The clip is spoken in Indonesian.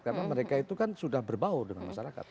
karena mereka itu kan sudah berbau dengan masyarakat